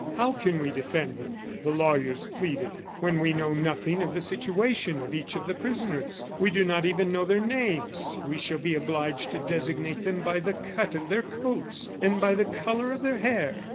"How can we defend them," the lawyers pleaded, "when we know nothing of the situation of each of the prisoners? we do not even know their names. We shall be obliged to designate them by the cut of their coats and by the color of their hair."